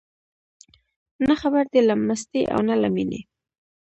نه خبر دي له مستۍ او نه له مینې